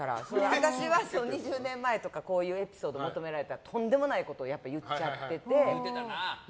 私は２０年前とかこういうエピソードを求められたらとんでもないことを言っちゃってて。